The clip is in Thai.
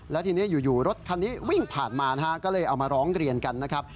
แล้วทีนี้อยู่รถคันนี้วิ่งผ่านมานะฮะก็เลยเอามาร้องเรียนกันนะครับ